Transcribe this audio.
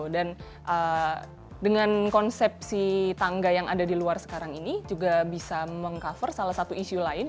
dan dengan konsep si tangga yang ada di luar sekarang ini juga bisa meng cover salah satu isu lainnya